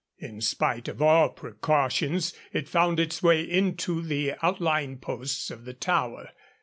In spite of all precautions, it found its way into the outlying posts of the Tower.